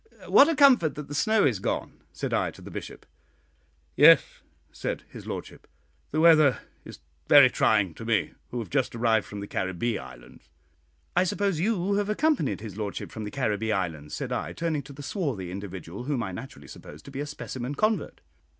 "What a comfort that the snow is gone," said I to the Bishop. "Yes," said his lordship; "the weather is very trying to me, who have just arrived from the Caribbee Islands." "I suppose you have accompanied his lordship from the Caribbee Islands," said I, turning to the swarthy individual, whom I naturally supposed to be a specimen convert.